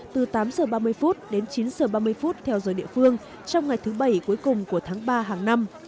từ tám giờ ba mươi phút đến chín giờ ba mươi phút theo giờ địa phương trong ngày thứ bảy cuối cùng của tháng ba hàng năm